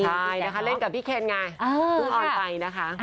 ใช่นะคะเล่นกับพี่เคนไงเพิ่งออนไปนะคะ